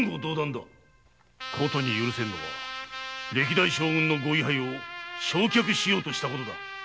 殊に許せぬのは歴代将軍のご位牌を焼却しようとしたこと！